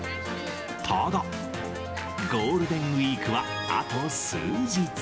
ただ、ゴールデンウィークはあと数日。